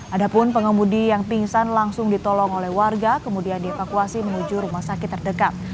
ada pun pengemudi yang pingsan langsung ditolong oleh warga kemudian dievakuasi menuju rumah sakit terdekat